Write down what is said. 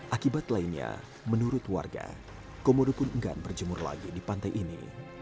akibat lainnya menurut warga komodo pun enggan berjemur lagi di pantai ini